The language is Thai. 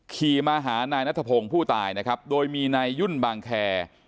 ขี่มาหานายนัทพงศ์ผู้ตายนะครับโดยมีนายยุ่นบางแคร์